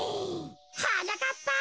はなかっぱ！